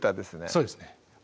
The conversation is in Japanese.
そうですね